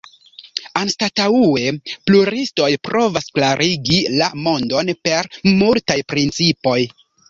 Anstataŭe pluristoj provas klarigi la mondon per multaj principoj.